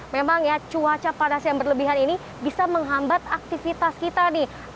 memang ya cuaca panas yang berlebihan ini bisa menghambat aktivitas kita nih